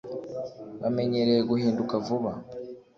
bamenyereye guhinduka vuba